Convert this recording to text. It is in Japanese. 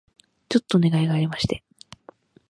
ちょっとお願いがありまして